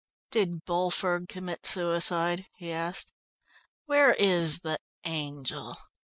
"Did Bulford commit suicide?" he asked. "Where is the angel?"